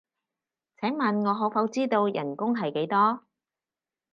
請問我可否知道人工係幾多？